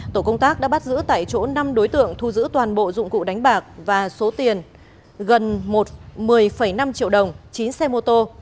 tổ công tác đã bắt giữ tại chỗ năm đối tượng thu giữ toàn bộ dụng cụ đánh bạc và số tiền gần một mươi năm triệu đồng chín xe mô tô